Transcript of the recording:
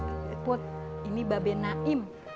emput ini babe naim